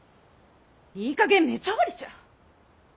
いいかげん目障りじゃ。